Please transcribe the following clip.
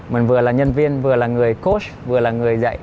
mình vừa là nhân viên vừa là người cô vừa là người dạy